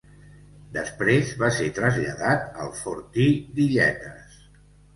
Després va ser traslladat al fortí d'Illetes.